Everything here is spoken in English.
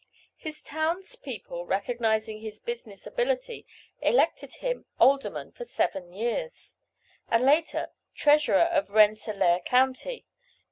His towns' people, recognizing his business ability elected him alderman for seven years, and later, treasurer of Rensselaer county.